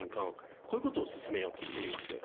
こういうことを進めようとしています。